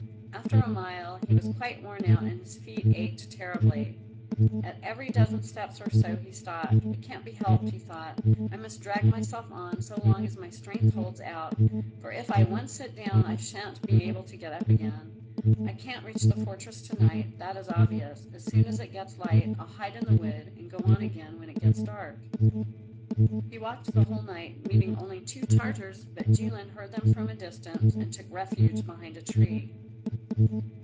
After a mile he was quite worn out and his feet ached terribly. At every dozen steps or so he stopped. "It can't be helped," he thought. "I must drag myself on so long as my strength holds out, for if I once sit down I shan't be able to get up again. I can't reach the fortress to night, that is obvious; as soon as it gets light I'll hide in the wood and go on again when it gets dark." He walked the whole night, meeting only two Tartars, but Jilin heard them from a distance and took refuge behind a tree.